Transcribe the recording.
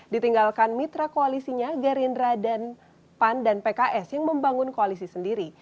ditinggalkan mitra koalisinya gerindra dan pan dan pks yang membangun koalisi sendiri